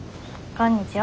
こんにちは。